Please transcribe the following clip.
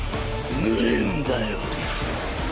蒸れるんだよ。